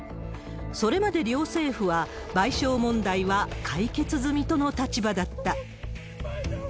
それまで両政府は、賠償問題は解決済みとの立場だった。